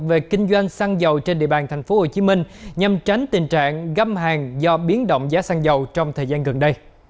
về kinh doanh xăng dầu trên địa bàn tp hcm nhằm tránh tình trạng găm hàng do biến động giá xăng dầu trong thời gian gần đây